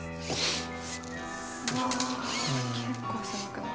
うわあ結構狭くなる。